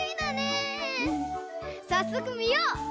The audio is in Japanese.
さっそくみよう！